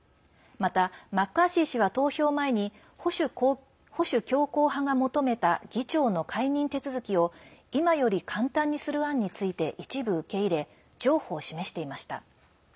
また、マッカーシー氏は投票前に保守強硬派が求めた議長の解任手続きを今より簡単にする案について一部受け入れ譲歩を示していました。